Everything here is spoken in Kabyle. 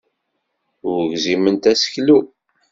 Ur gziment aseklu.